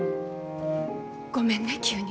ごめんね急に。